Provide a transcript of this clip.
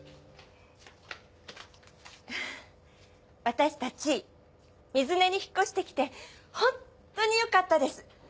私たち水根に引っ越してきてホントによかったです！